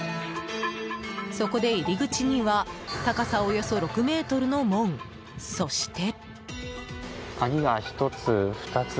そこで入り口には高さおよそ６ｍの門、そして。